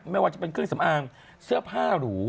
ไม่ว่าจะเป็นเครื่องสำอางเสื้อผ้าหรู